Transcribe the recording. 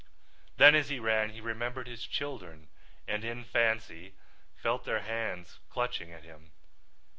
Then as he ran he remembered his children and in fancy felt their hands clutching at him.